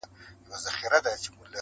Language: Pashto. څوك به غوږ نيسي نارو ته د بې پلارو٫